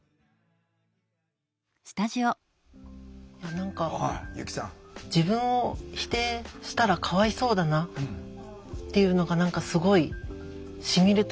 何か自分を否定したらかわいそうだなっていうのが何かすごいしみるというか。